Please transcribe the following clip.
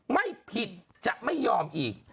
ไม่ผิดจะไม่ยอมอีก